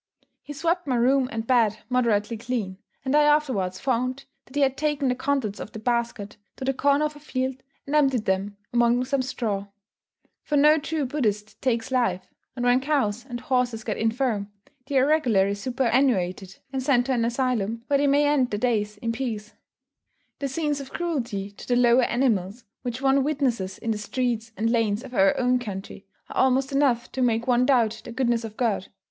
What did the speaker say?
He swept my room and bed moderately clean, and I afterwards found that he had taken the contents of the basket to the corner of a field, and emptied them among some straw. For no true Buddhist takes life; and when cows and horses get infirm, they are regularly superannuated, and sent to an asylum where they may end their days in peace. The scenes of cruelty to the lower animals, which one witnesses in the streets and lanes of our own country, are almost enough to make one doubt the goodness of God.